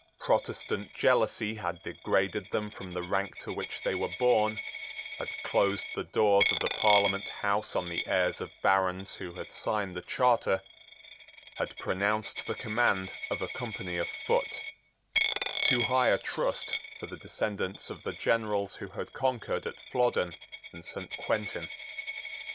Protestant jealousy had degraded them from the rank to which they were born, had closed the doors of the Parliament House on the heirs of barons who had signed the Charter, had pronounced the command of a company of foot too high a trust for the descendants of the generals who had conquered at Flodden and Saint Quentin.